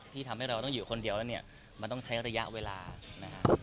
ที่ทำให้เราอยู่คนเดียวเนี้ยเค้าต้องใช้ระยะเวลานะครับ